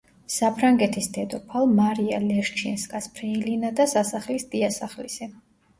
საფრანგეთის დედოფალ მარია ლეშჩინსკას ფრეილინა და სასახლის დიასახლისი.